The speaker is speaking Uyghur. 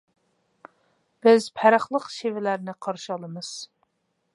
بىز پەرقلىق شىۋىلەرنى قارشى ئالىمىز!